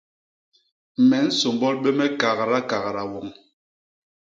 Me nsômbôl bé me kagdakagda woñ!